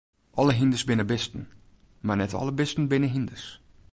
Alle hynders binne bisten, mar net alle bisten binne hynders.